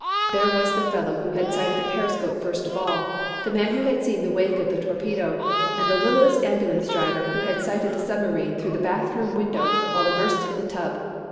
There was the fellow who had sighted the periscope first of all, the man who had seen the wake of the torpedo, and the littlest ambulance driver who had sighted the submarine through the bathroom window while immersed in the tub.